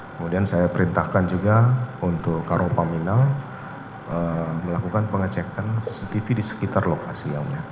kemudian saya perintahkan juga untuk karopaminal melakukan pengecekan di sekitar lokasi